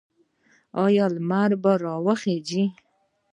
آیا لمر به راوخیږي؟